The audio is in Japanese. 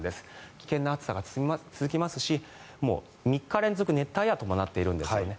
危険な暑さが続きますし３日連続熱帯夜ともなっているんですよね。